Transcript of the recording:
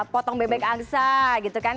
potong bebek angsa gitu kan